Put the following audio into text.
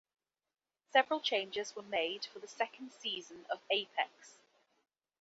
Several changes were made for the second season of Apex.